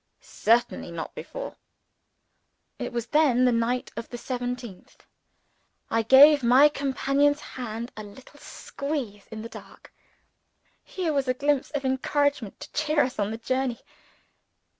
"Certainly not before." It was then the night of the seventeenth. I gave my companion's hand a little squeeze in the dark. Here was a glimpse of encouragement to cheer us on the journey.